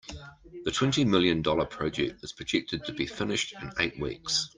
The twenty million dollar project is projected to be finished in eight weeks.